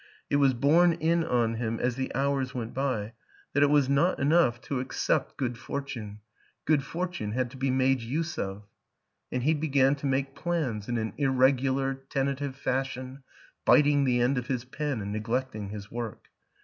It was borne in on him as the hours went by that it was not enough to accept 6 WILLIAM AN ENGLISHMAN good fortune good fortune had to be made use of; and he began to make plans in an irregular, tentative fashion, biting the end of his pen and neglecting his work.